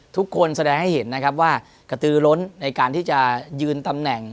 แสดงให้เห็นนะครับว่ากระตือล้นในการที่จะยืนตำแหน่ง